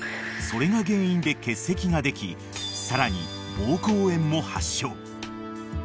［それが原因で結石ができさらに膀胱炎も発症］